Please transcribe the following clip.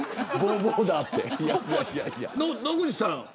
野口さん。